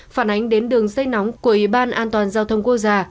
phản ánh đến đường dây nóng của ủy ban an toàn giao thông quốc gia